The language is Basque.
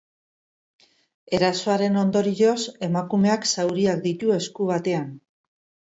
Erasoaren ondorioz, emakumeak zauriak ditu esku batean.